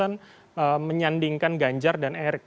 yang menandingkan ganjar dan erick